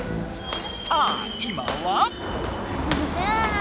さあ今は？